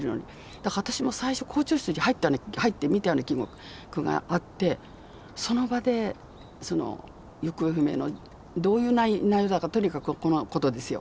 だから私も最初校長室に入って見たような記憶があってその場でその行方不明のどういう内容だかとにかくこのことですよ。